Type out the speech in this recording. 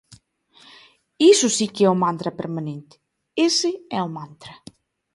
Iso si que é o mantra permanente, ese é o mantra.